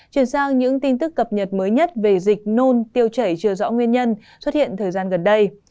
chuyển sang những tin tức cập nhật mới nhất về dịch nôn tiêu chảy chưa rõ nguyên nhân xuất hiện thời gian gần đây